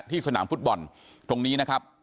สนามฟุตบอลตรงนี้นะครับ